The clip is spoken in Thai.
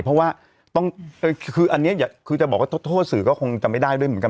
เพราะว่าคืออันนี้คือจะบอกว่าโทษสื่อก็คงจะไม่ได้ด้วยเหมือนกัน